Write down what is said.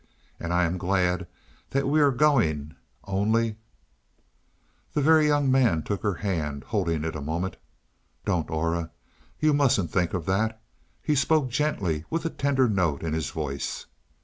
And I am glad that we are going, only " The Very Young Man took her hand, holding it a moment. "Don't, Aura. You mustn't think of that." He spoke gently, with a tender note in his voice.